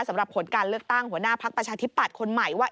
สำหรับผลการเลือกตั้งหัวหน้าพักประชาธิปัตย์คนใหม่ว่า